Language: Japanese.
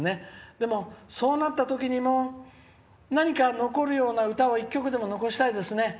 でも、そうなった時にも何か残るような歌を１曲でも残したいですね。